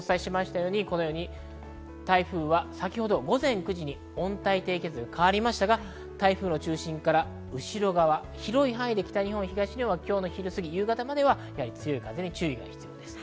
最新の台風情報は先ほどお伝えしたように午前９時に温帯低気圧に変わりましたが、台風の中心から後ろ側、広い範囲で北日本、東日本は今日の昼過ぎ、夕方までは強い風に注意が必要です。